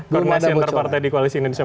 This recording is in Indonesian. belum ada bocoran